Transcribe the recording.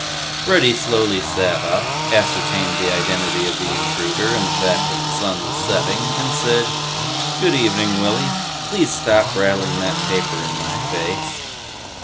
Freddy slowly sat up, ascertained the identity of the intruder and the fact that the sun was setting, and said, "Good evening, Willy. Please stop rattling that paper in my face."